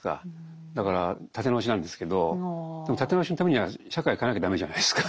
だから立て直しなんですけどでも立て直しのためには社会を変えなきゃ駄目じゃないですか。